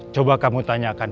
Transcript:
berarti satu enaranya ya itu